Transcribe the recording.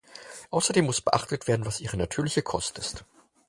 Außerdem muss beachtet werden, was ihre natürliche Kost ist.